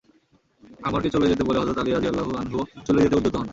আমরকে চলে যেতে বলে হযরত আলী রাযিয়াল্লাহু আনহুও চলে যেতে উদ্যত হন।